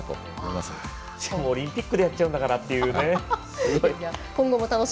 しかもオリンピックでやっちゃんだからというね。